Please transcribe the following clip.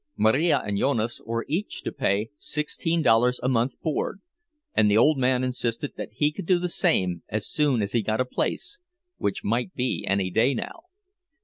Marija and Jonas were each to pay sixteen dollars a month board, and the old man insisted that he could do the same as soon as he got a place—which might be any day now.